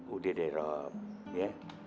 udah deh rom ya